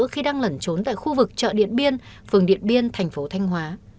khi đang lẩn trốn tại khu vực chợ điện biên phường điện biên thành phố thanh hóa